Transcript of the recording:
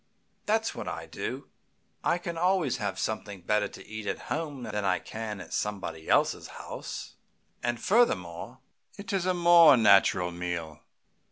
That's what I do. I can always have something better to eat at home than I can get at somebody else's house; and furthermore, it is a more natural meal.